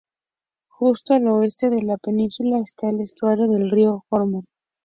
Justo al oeste de la península está el estuario del río Hoffman.